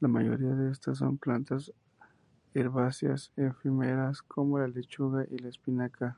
La mayoría de ellas son plantas herbáceas efímeras como la lechuga y la espinaca.